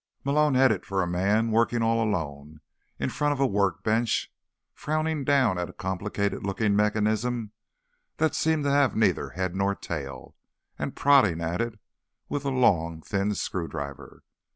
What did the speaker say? Malone headed for a man working all alone in front of a workbench, frowning down at a complicated looking mechanism that seemed to have neither head nor tail, and prodding at it with a long, thin screwdriver.